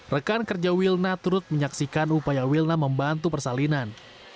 rekan kerja wilna turut menyaksikan upaya wilna membantu persalinan